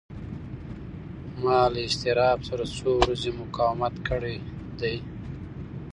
ما له اضطراب سره څو ورځې مقاومت کړی دی.